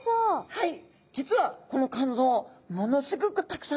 はい。